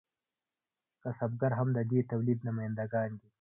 کسبګر هم د دې تولید نماینده ګان دي.